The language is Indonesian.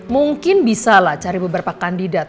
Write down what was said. mungkin bisa lah cari beberapa kandidat